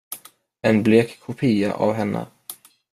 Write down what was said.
En blek kopia av henne.